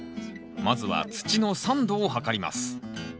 まずは土の酸度を測ります。